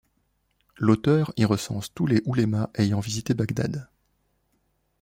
L'auteur y recense tous les oulémas ayant visité Bagdad.